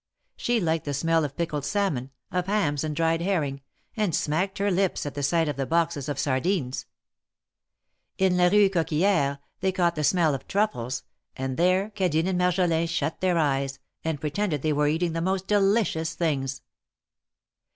She liked the smell of pickled salmon, of hams and dried herring, and smacked her lips at the sight of the boxes of sardines. In la Rue Coquilliere they caught the smell of truffles, and there Cadine and Maijolin shut their eyes, and pre tended they were eating the most delicious things.